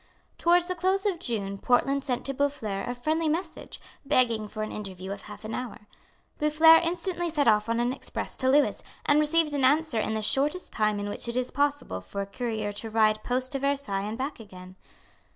Towards the close of June Portland sent to Boufflers a friendly message, begging for an interview of half an hour. Boufflers instantly sent off an express to Lewis, and received an answer in the shortest time in which it was possible for a courier to ride post to Versailles and back again.